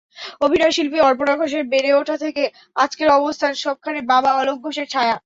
অভিনয়শিল্পী অপর্ণা ঘোষের বেড়ে ওঠা থেকে আজকের অবস্থান—সবখানে বাবা অলক ঘোষের ছায়া।